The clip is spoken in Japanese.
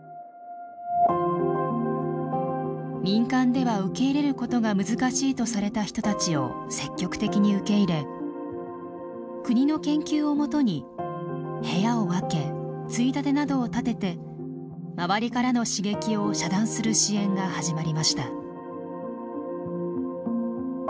民間では受け入れることが難しいとされた人たちを積極的に受け入れ国の研究をもとに部屋を分けついたてなどを立てて周りからの刺激を遮断する支援が始まりました。